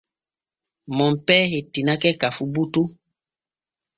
Monpee hettinake ka fu butu.